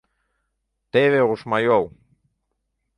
Теве ошмайол.